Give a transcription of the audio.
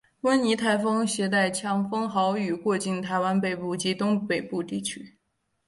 温妮台风挟带强风豪雨过境台湾北部及东北部地区。